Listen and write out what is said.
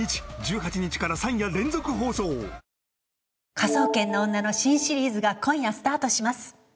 「科捜研の女」の新シリーズが今夜スタートします。